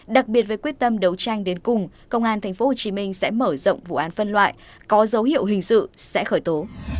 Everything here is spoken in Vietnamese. đặc biệt với quyết tâm đấu tranh đến cùng công an tp hcm sẽ mở rộng vụ án phân loại có dấu hiệu hình sự sẽ khởi tố